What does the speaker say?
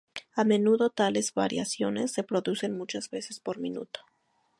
A menudo tales variaciones se producen muchas veces por minuto.